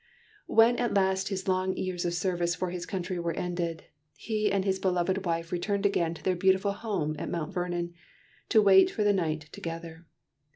When at last his long years of service for his country were ended, he and his beloved wife returned again to their beautiful home at Mount Vernon, to wait for the night together.